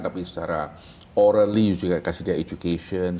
tapi secara oral you kasih dia education